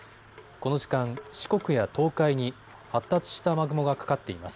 この時間、四国や東海に発達した雨雲がかかっています。